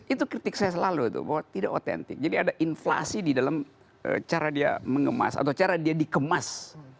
itu kritik saya selalu bahwa tidak otentik jadi ada inflasi di dalam cara dia mengemas atau cara dia dikemas